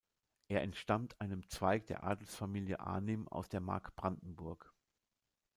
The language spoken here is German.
Er entstammt einem Zweig der Adelsfamilie Arnim aus der Mark Brandenburg.